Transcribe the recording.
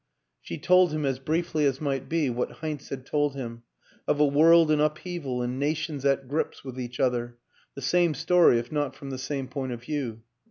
She told him, as briefly as might be, what Heinz had told him of a world in upheaval and nations at grips with each other; the same story if not from the same point of view.